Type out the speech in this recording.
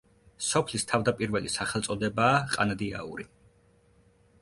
სოფლის თავდაპირველი სახელწოდებაა ყანდიაური.